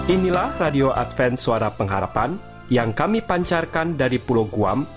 inilah radio advance suara pengharapan yang kami pancarkan dari pulau guam